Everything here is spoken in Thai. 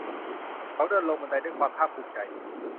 เขาเดินลงบันไดด้วยความภาคถูมิใจ